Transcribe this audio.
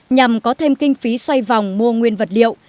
nhằm có thêm kinh phí xoay vòng mua nguyên vật liệu